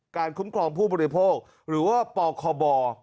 คุ้มครองผู้บริโภคหรือว่าปคบ